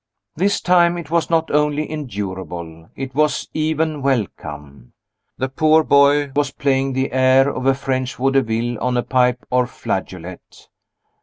This time, it was not only endurable, it was even welcome. The poor boy was playing the air of a French vaudeville on a pipe or flageolet.